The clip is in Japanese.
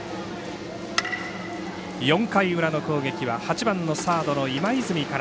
４回裏の攻撃は８番サードの今泉から。